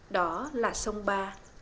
đó là sông ba